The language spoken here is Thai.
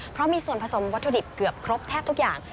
เพราะมีส่วนผสมวัตถุดิบเกือบครบแทบทุกอย่าง